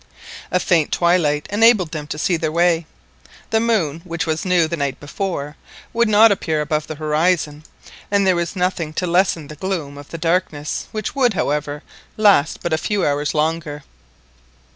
A faint twilight enabled them to see their way. The moon, which was new the night before, would not appear above the horizon, and there was nothing to lessen the gloom of the darkness, which would, however, last but a few hours longer.